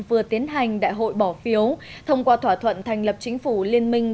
vừa tiến hành đại hội bỏ phiếu thông qua thỏa thuận thành lập chính phủ liên minh